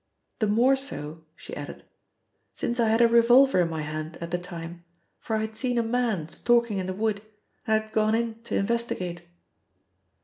The more so," she added, "since I had a revolver in my hand at the time, for I had seen a man stalking in the wood and I had gone in to investigate.